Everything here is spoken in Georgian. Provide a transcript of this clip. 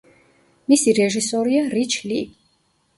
მისი რეჟისორია რიჩ ლი.